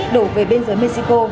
đổ về bên giới mexico